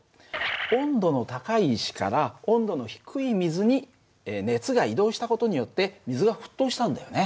温度の高い石から温度の低い水に熱が移動した事によって水が沸騰したんだよね。